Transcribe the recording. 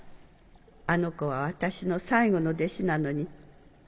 あの子は私の最後の弟子なのに。